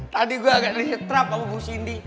tadi gue agak disetrap sama bu cindy